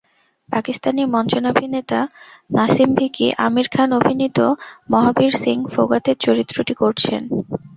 পাকিস্তানি মঞ্চাভিনেতা নাসিম ভিকি আমির খান অভিনীত মহাবীর সিং ফোগাতের চরিত্রটি করছেন।